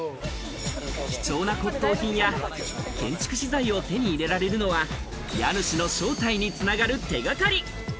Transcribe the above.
貴重な骨董品や建築資材を手に入れられるのは家主の正体に繋がる手掛かり。